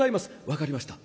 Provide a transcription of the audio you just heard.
分かりました。